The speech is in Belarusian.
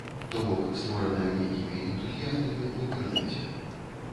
То бок, створаная нейкімі энтузіястамі ў інтэрнэце.